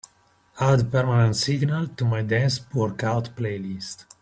Add Permanent Signal to my dance workout playlist.